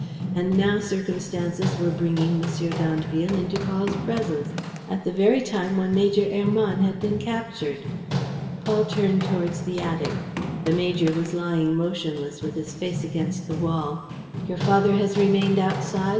And now circumstances were bringing M. d'Andeville into Paul's presence, at the very time when Major Hermann had been captured. Paul turned towards the attic. The major was lying motionless, with his face against the wall. "Your father has remained outside?"